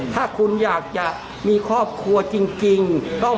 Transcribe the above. ถ้าคุณอยากจะมีครอบครัวจริง